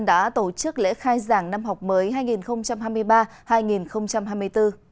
đã tổ chức lễ khai giảng năm học mới hai nghìn hai mươi ba hai nghìn hai mươi bốn